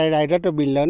đài rất là bình lớn